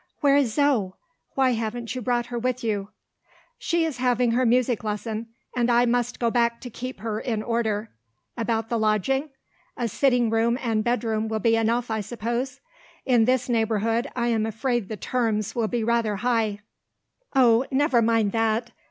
"Where is Zo? Why haven't you brought her with you?" "She is having her music lesson and I must go back to keep her in order. About the lodging? A sitting room and bedroom will be enough, I suppose? In this neighbourhood, I am afraid the terms will be rather high." "Oh, never mind that!